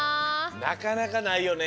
なかなかないよね